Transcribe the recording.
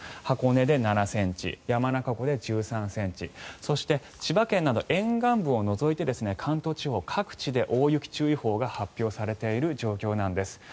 箱根で７ｃｍ山中湖で１３ｃｍそして千葉県など沿岸部を除いて関東地方各地で大雪注意報が発表されている状況なんです。